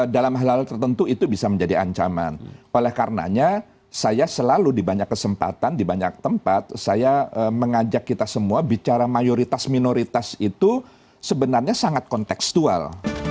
dalam hal hal tertentu itu bisa menjadi ancaman oleh karenanya saya selalu di banyak kesempatan di banyak tempat saya mengajak kita semua bicara mayoritas minoritas itu sebenarnya sangat konteksual